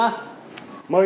mời ra ngoài